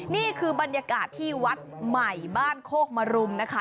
นี่คือบรรยากาศที่วัดใหม่บ้านโคกมรุมนะคะ